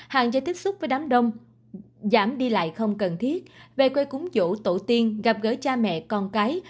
hàng do tiếp xúc với đám đông giảm đi lại không cần thiết về quê cúng dỗ tổ tiên gặp gỡ cha mẹ con cái